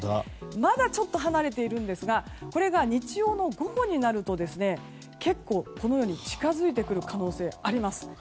まだちょっと離れているんですがこれが日曜日の午後になると結構、近づいてくる可能性があります。